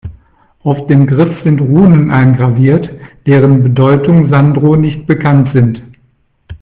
Auf dem Griff sind Runen eingraviert, deren Bedeutung Sandro nicht bekannt sind.